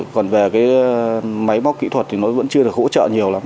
còn về cái máy móc kỹ thuật thì nó vẫn chưa được hỗ trợ nhiều lắm